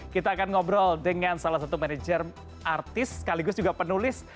kita akan ngobrol dengan salah satu manajer artis sekaligus juga penulis